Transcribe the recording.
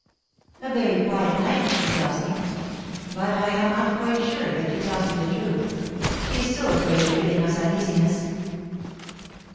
"A very quiet night, she tells me; but I am not quite sure that she tells me the truth, she is so afraid of giving us uneasiness."